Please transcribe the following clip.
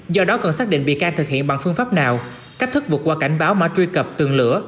do đó cần xác định bị can thực hiện bằng phương pháp nào cách thức vụt qua cảnh báo mà truy cập tường lửa